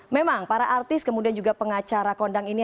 memang para artis kemudian juga pengacara kondang ini